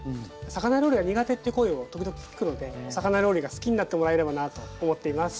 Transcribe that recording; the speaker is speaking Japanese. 魚料理が苦手っていう声を時々聞くのでお魚料理が好きになってもらえればなと思っています。